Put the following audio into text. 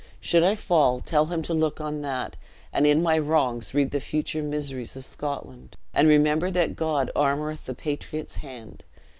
Should I fall, tell him to look on that, and in my wrongs read the future miseries of Scotland, and remember that God armoreth the patriot's hand.